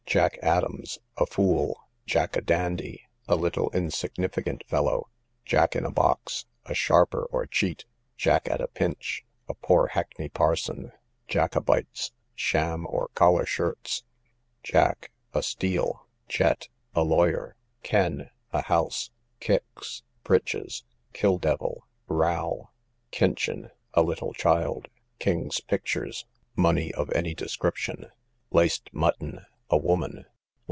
Jack Adams, a fool. Jack a dandy, a little insignificant fellow. Jack in a box, a sharper or cheat. Jack at a pinch, a poor hackney parson. Jacobites, sham or collar shirts. Jack, a seal. Jet, a lawyer Ken, a house. Kicks, breeches. Kill devil, row. Kinchin, a little child. King's pictures, money of any description. Laced mutton, a woman.